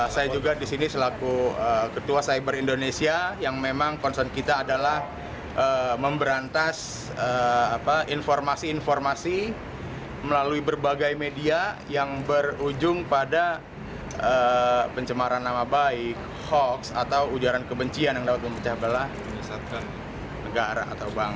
saya juga disini selaku ketua cyber indonesia yang memang konson kita adalah memberantas informasi informasi melalui berbagai media yang berujung pada pencemaran nama baik hoax atau ujaran kebencian yang dapat mempercayai belah negara atau bangsa